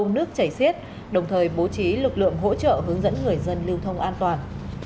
nước chảy xiết đồng thời bố trí lực lượng hỗ trợ hướng dẫn người dân lưu thông an toàn